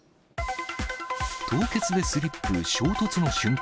凍結でスリップ、衝突の瞬間。